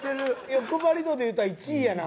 欲張り度でいったら１位やな。